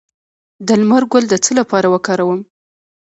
د لمر ګل د څه لپاره وکاروم؟